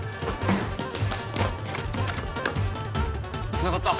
つながった！